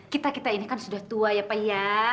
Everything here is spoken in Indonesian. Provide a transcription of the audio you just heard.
kita kita ini kan sudah tua ya pak ya